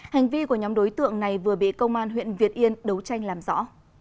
hành vi của nhóm đối tượng này vừa bị công an huyện việt yên đấu tranh làm rõ